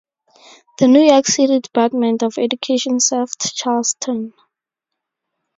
The New York City Department of Education serves Charleston.